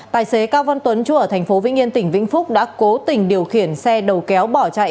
tài xế cao văn tuấn chú ở tp vĩnh yên tỉnh vĩnh phúc đã cố tình điều khiển xe đầu kéo bỏ chạy